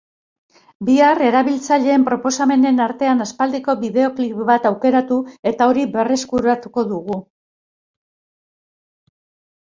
Bihar, erabiltzaileen proposamenen artean aspaldiko bideoklip bat aukeratu eta hori berreskuratuko dugu.